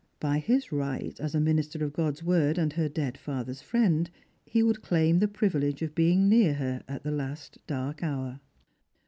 By his right aa a minister of God's word and her dead father's friend, he would claim the privilege of being near her at the last dark hour.